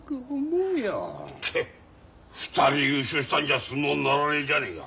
ケッ２人優勝したんじゃ相撲にならないじゃねえか。